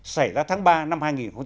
xảy ra tháng ba năm hai nghìn một